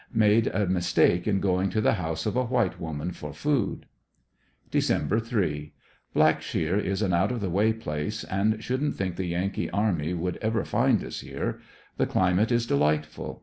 Made a mistake in going to the house of a white woman for food. Dec. 3. — Blackshear is an out of the way place, and shouldn't think the Yankee army would ever find us here. The climate is delightful.